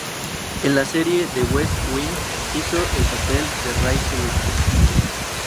En la serie "The West Wing", hizo el papel de Ray Sullivan.